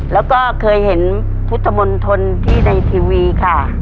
แล้วก็เคยเห็นพุทธมนตรที่ในทีวีค่ะ